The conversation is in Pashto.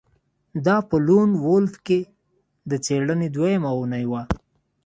دا په لون وولف کې د څیړنې دویمه اونۍ وه